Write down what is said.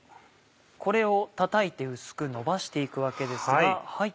これをたたいて薄くのばして行くわけですが。